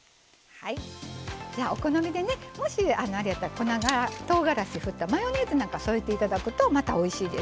お好みで、もしあれやったら粉とうがらしを振ってマヨネーズを添えていただくとまたおいしいです。